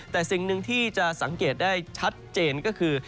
แต่สิ่งหนึ่งที่จะสังเกตได้ชัดเจนก็คือ